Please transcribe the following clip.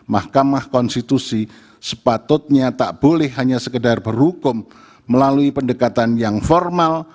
mahkamah konstitusi sepatutnya tak boleh hanya sekedar berhukum melalui pendekatan yang formal